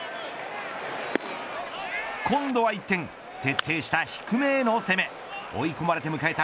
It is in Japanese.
今度は一転徹底した低めへの攻め追い込まれて迎えた